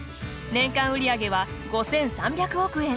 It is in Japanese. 年間売上は５３００億円。